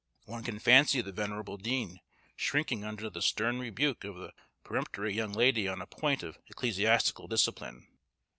One can fancy the venerable Dean shrinking under the stern rebuke of the peremptory young lady on a point of ecclesiastical discipline.